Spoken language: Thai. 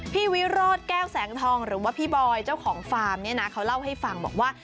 วิโรธแก้วแสงทองหรือว่าพี่บอยเจ้าของฟาร์มเนี่ยนะเขาเล่าให้ฟังบอกว่า